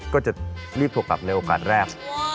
ก็จะรีบโทรกลับในโอกาสแรก